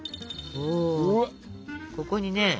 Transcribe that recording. おここにね